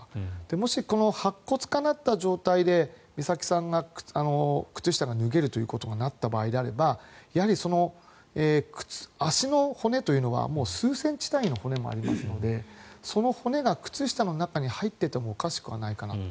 もし、白骨化した状態で美咲さんの靴下が脱げるといったことになった場合はやはり足の骨というのは数センチ単位の骨もありますのでその骨が靴下の中に入っててもおかしくはないかなと。